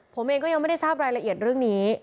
ผมเองก็ยังไม่ได้ทราบรายละเอียดเรื่องนี้